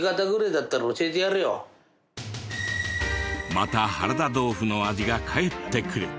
「また原田豆腐の味が帰ってくる」。